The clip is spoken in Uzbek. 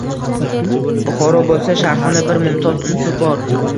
Buxoro bo‘lsa, Sharqona bir mumtoz unsur bor